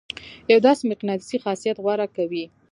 يو داسې مقناطيسي خاصيت غوره کوي.